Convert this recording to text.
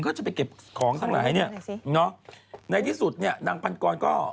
เขาก็จะไปเก็บของเท่าไหร่เนี่ยเนาะในที่สุดยังอ่ะดังปันกรก็